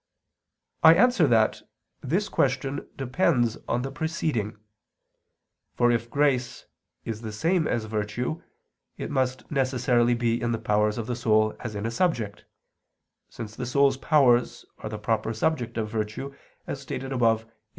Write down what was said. I answer that, This question depends on the preceding. For if grace is the same as virtue, it must necessarily be in the powers of the soul as in a subject; since the soul's powers are the proper subject of virtue, as stated above (Q.